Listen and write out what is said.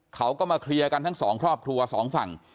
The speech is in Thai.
เขาก็มาเคลียร์กันทั้งสองครอบครัวสองฝั่ง